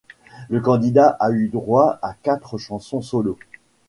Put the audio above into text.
Le candidat a eu droit à quatre chansons solo.